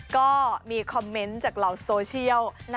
ก็มีคอมเมนต์จากเหล่าโซเชียล